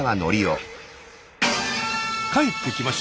帰ってきました。